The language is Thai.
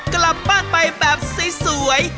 กลับบ้านไปแบบสวย